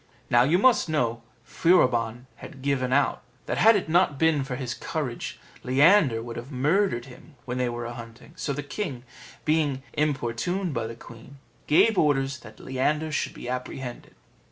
Now you must know Furibon had given out, that had it not been for his courage Leander would have murdered him when they were a hunting; so the king, being importuned by the queen, gave orders that Leander should be apprehended.